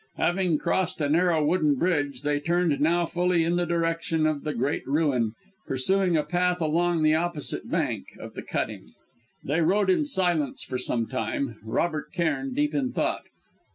Having crossed a narrow wooden bridge, they turned now fully in the direction of the great ruin, pursuing a path along the opposite bank of the cutting. They rode in silence for some time, Robert Cairn deep in thought.